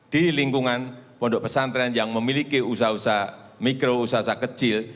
di lingkungan pondok pesantren yang memiliki usaha usaha mikro usaha usaha kecil